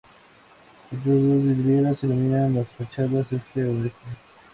Otras dos vidrieras iluminan las fachadas este y oeste.